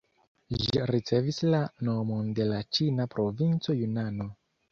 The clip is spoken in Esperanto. Ĝi ricevis la nomon de la ĉina provinco Junano.